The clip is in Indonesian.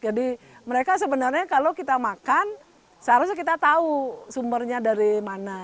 jadi mereka sebenarnya kalau kita makan seharusnya kita tahu sumbernya dari mana